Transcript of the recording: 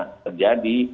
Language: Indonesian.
apa yang terjadi